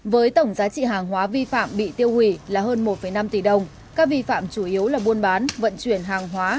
với tổng giá trị hàng hóa vi phạm bị tiêu hủy là hơn một năm tỷ đồng các vi phạm chủ yếu là buôn bán vận chuyển hàng hóa